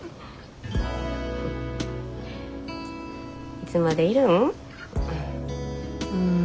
いつまでいるん？